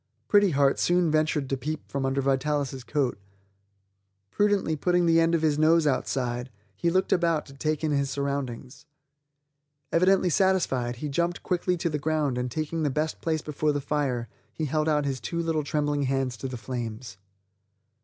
Pretty Heart soon ventured to peep from under Vitalis' coat; prudently putting the end of his nose outside, he looked about to take in his surroundings. Evidently satisfied, he jumped quickly to the ground and taking the best place before the fire he held out his two little trembling hands to the flames.